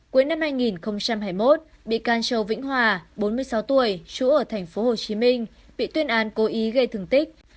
cuối năm hai nghìn hai mươi một bị can châu vĩnh hòa bốn mươi sáu tuổi chủ ở thành phố hồ chí minh bị tuyên an cố ý gây thương tích